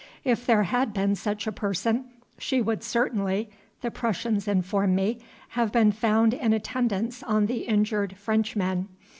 If there had been such a person, she would certainly (the Prussians inform me) have been found in attendance on the injured Frenchmen.